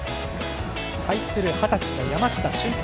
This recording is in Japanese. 対する二十歳の山下舜平